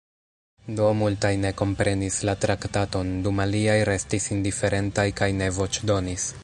Do multaj ne komprenis la traktaton, dum aliaj restis indiferentaj kaj ne voĉdonis.